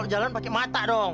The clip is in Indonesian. kalau jalan pake mata dong